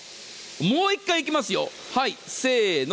もう一回いきますよ、せーの。